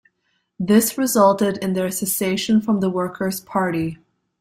This resulted in their secession from the Workers Party.